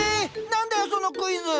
何だよそのクイズ！